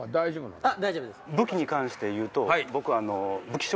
武器に関して言うと僕。